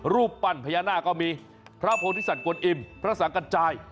รูปปั้นพญานาคก็มีพระโพธิสัตวนอิมพระสังกัจจาย